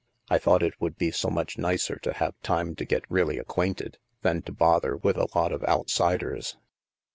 I thought it would be so much nicer to have time to get really acquainted, than to bother with a lot of outsiders."